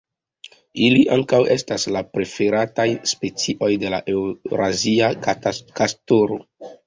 Ili ankaŭ estas la preferataj specioj de la eŭrazia kastoro.